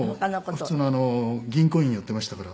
普通のあの銀行員やってましたから。